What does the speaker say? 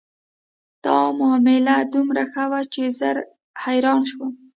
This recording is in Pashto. دا معامله دومره ښه وه چې زه حیرانه شوم